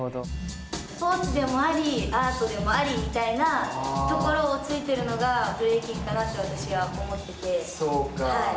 スポーツでもありアートでもありみたいなところをついているのがブレイキンかなと私は思っていて。